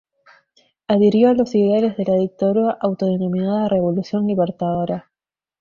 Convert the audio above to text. Adhirió a los ideales de la dictadura autodenominada Revolución Libertadora.